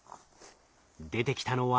出てきたのは。